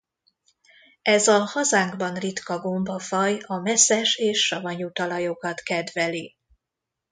Ez a hazánkban ritka gombafaj a meszes és savanyú talajokat kedveli.